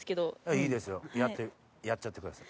いいですよやっちゃってください。